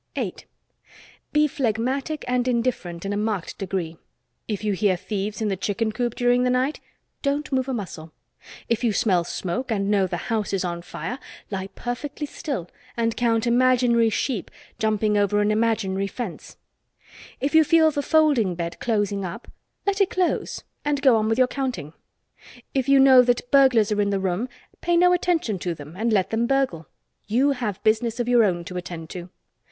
8. Be phlegmatic and indifferent in a marked degree. If you hear thieves in the chicken coop during the night, don't move a muscle; if you smell smoke and know the house is on fire, lie perfectly still and count imaginary sheep jumping over an imaginary fence; if you feel the folding bed closing up let it close and go on with your counting; if you know that burglars are in the room pay no attention to them and let them burgle you have business of your own to attend to.